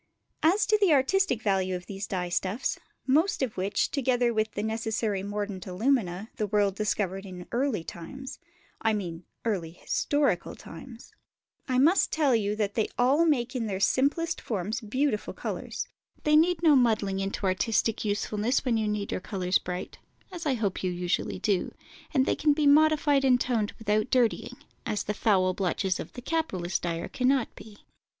As to the artistic value of these dye stuffs, most of which, together with the necessary mordant alumina, the world discovered in early times (I mean early historical times), I must tell you that they all make in their simplest forms beautiful colours; they need no muddling into artistic usefulness, when you need your colours bright (as I hope you usually do), and they can be modified and toned without dirtying, as the foul blotches of the capitalist dyer cannot be.